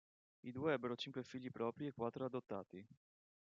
I due ebbero cinque figli propri e quattro adottati.